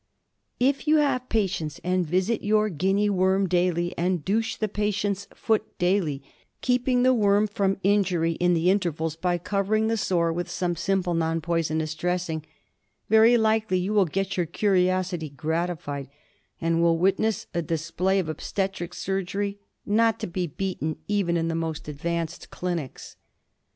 If you have patience and visit your Guinea worm daily, and douche the patient's foot daily, keeping the worm from injury in the intervals by covering the sore with some simple non poisonous dressing, very likely you will get your curiosity gratified, and will witness a display of obstetric surgery not to be beaten even in the most advanced clinics.